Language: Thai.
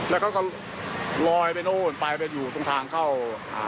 แล้วก็ก็ลอยไปโน้นไปไปอยู่ทางทางเข้า